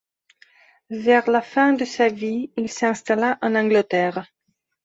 Vers la fin de sa vie, il s'installa en Angleterre.